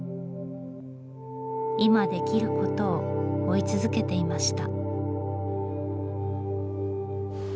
今できることを追い続けていました。